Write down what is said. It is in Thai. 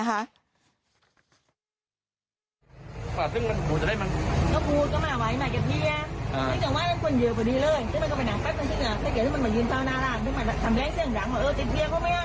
ซึ่งอ่ะมาบอกเวลาว่าซึ่งอ่ะก็เลยว่าน้องนี่ผีบอกเลยใช่ไหมว่า